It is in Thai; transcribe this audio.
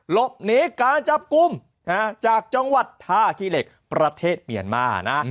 หลบหนีการจับกลุ่มจากจังหวัดท่าขี้เหล็กประเทศเมียนมานะ